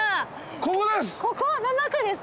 ここです！